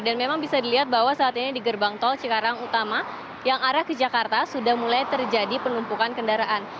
dan memang bisa dilihat bahwa saat ini di gerbang tol cikarang utama yang arah ke jakarta sudah mulai terjadi penumpukan kendaraan